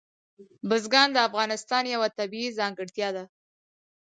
بزګان د افغانستان یوه طبیعي ځانګړتیا ده.